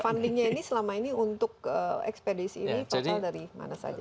fundingnya ini selama ini untuk ekspedisi ini total dari mana saja